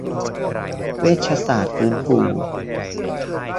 เวชศาสตร์ฟื้นฟู